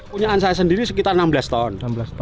punyaan saya sendiri sekitar enam belas ton